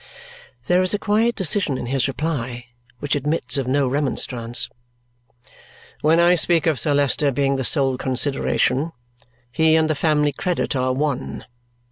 There is a quiet decision in his reply which admits of no remonstrance. "When I speak of Sir Leicester being the sole consideration, he and the family credit are one.